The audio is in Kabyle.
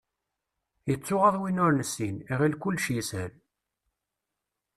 Yettuɣaḍ win ur nessin, iɣill kullec yeshel.